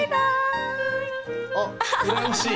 あっ羨ましい！